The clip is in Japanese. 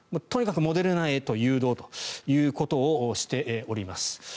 とにかくモデルナへ誘導ということをしております。